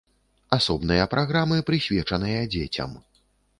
Асобныя праграмы прысвечаныя дзецям.